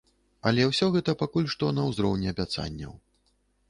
Але ўсё гэта пакуль што на ўзроўні абяцанняў.